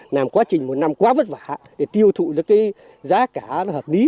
làm quá trình một năm quá vất vả để tiêu thụ được cái giá cả hợp lý